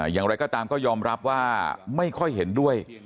อย่างไรก็ตามก็ยอมรับว่าไม่ค่อยเห็นด้วย